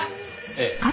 ええ。